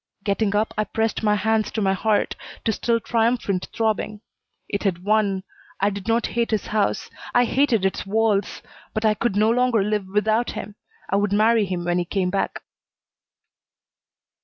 Getting up, I pressed my hands to my heart to still triumphant throbbing. It had won, I did not hate his house. I hated its walls. But I could no longer live without him. I would marry him when he came back.